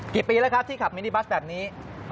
กี่ปีแล้วครับที่ขับมินิบัสแบบนี้